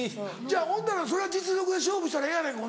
ほんならそれは実力で勝負したらええやないか。